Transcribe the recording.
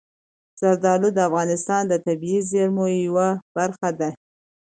زردالو د افغانستان د طبیعي زیرمو یوه برخه ده.